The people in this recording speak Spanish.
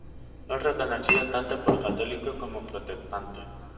Es reconocido tanto por católicos como protestantes.